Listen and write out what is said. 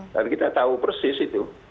dan kita tahu persis itu